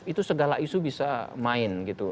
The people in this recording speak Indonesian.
itu segala isu bisa main gitu